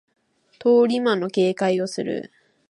通り魔の警戒をする